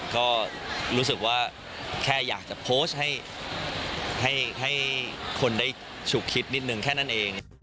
ก็รู้สึกว่าแค่อยากจะโพสต์ให้คนได้ฉุกคิดนิดนึงแค่นั้นเอง